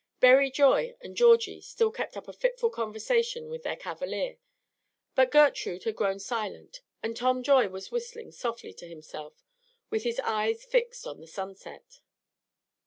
Berry Joy and Georgie still kept up a fitful conversation with their cavalier; but Gertrude had grown silent, and Tom Joy was whistling softly to himself, with his eyes fixed on the sunset.